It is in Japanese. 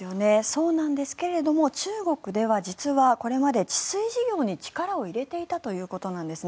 そうなんですけれども中国では実はこれまで治水事業に力を入れていたということなんです。